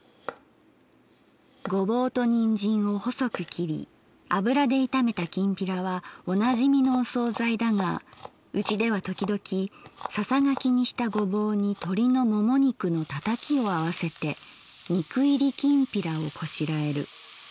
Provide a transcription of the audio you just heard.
「ごぼうとにんじんを細く切り油で炒めたきんぴらはおなじみのおそうざいだがうちではときどきささがきにしたごぼうにとりのもも肉のたたきをあわせて肉いりきんぴらをこしらえる。